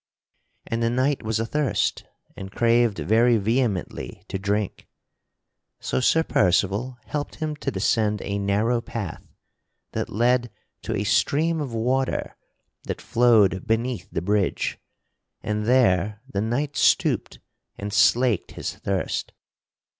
And the knight was athirst and craved very vehemently to drink. So Sir Percival helped him to descend a narrow path that led to a stream of water that flowed beneath the bridge; and there the knight stooped and slaked his thirst.